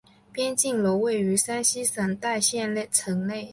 边靖楼位于山西省代县城内。